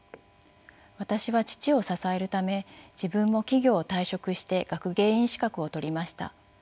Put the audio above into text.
私は義父を支えるため自分も企業を退職して学芸員資格を取りました。